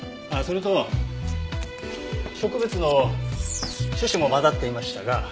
あっそれと植物の種子も混ざっていましたが。